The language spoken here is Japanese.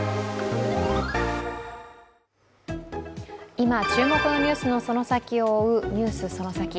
今注目のニュースのその先を追う「ＮＥＷＳそのサキ！」。